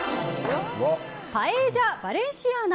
パエージャバレンシアーナ